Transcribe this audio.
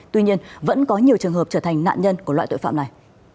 tuy nhiên vẫn có nhiều trường hợp trở thành nạn nhân của loại tội phạm này